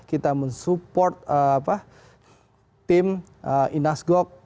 kita mensupport tim inas gok